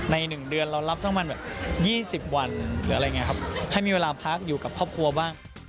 ใน๑เดือนเรารับส่วนมัน๒๐วันหรืออะไรไงครับให้มีเวลาพักอยู่กับครอบครัวบ้าง